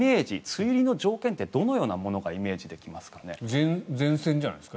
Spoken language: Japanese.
梅雨入りの条件ってどのようなものがイメージできますかね。